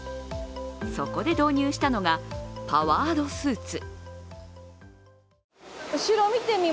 そこで導入したのがパワードスーツ。